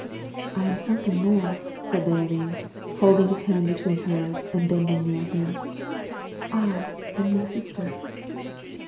"I am something more," said Leoline, holding his hand between both hers, and bending near him; "I am your sister!"